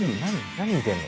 何見てんの？